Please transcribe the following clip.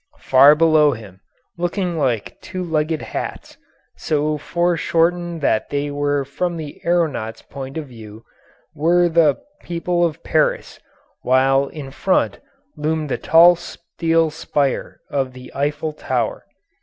Far below him, looking like two legged hats, so foreshortened they were from the aeronaut's point of view, were the people of Paris, while in front loomed the tall steel spire of the Eiffel Tower.